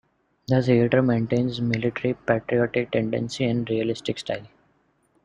The theater maintains the military-patriotic tendency and realistic style.